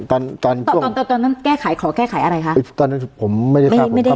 ตอนตอนตอนตอนนั้นแก้ไขขอแก้ไขอะไรคะตอนนั้นผมไม่ได้ครับไม่ได้